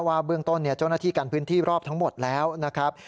ว่าเบื้องต้นเจ้าหน้าที่กันพื้นที่รอบทั้งหมดแล้วนะครับ